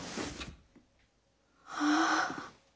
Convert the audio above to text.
ああ。